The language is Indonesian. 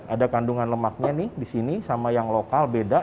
ada kandungan lemaknya nih disini sama yang lokal beda